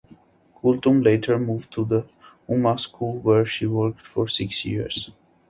Kulthum later moved to the Ummah School where she worked for six years.